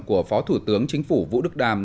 của phó thủ tướng chính phủ vũ đức đàm